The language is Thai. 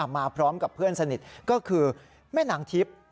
มาพร้อมกับเพื่อนสนิทก็คือแม่นางทิพย์